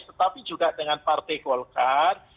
tetapi juga dengan partai golkar